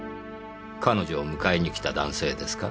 彼女を迎えに来た男性ですか？